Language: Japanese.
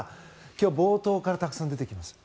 今日冒頭からたくさん出てきました。